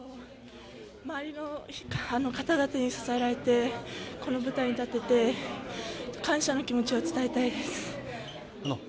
周りの方々に支えられてこの舞台に立てて感謝の気持ちを伝えたいです。